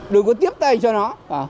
đừng có tiếp tay cho nó